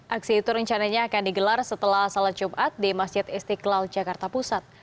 aksi itu rencananya akan digelar setelah salat jumat di masjid istiqlal jakarta pusat